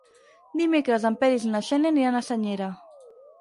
Dimecres en Peris i na Xènia aniran a Senyera.